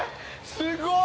すごい！